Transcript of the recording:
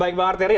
baik bang arteri